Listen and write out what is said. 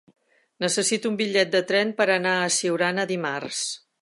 Necessito un bitllet de tren per anar a Siurana dimarts.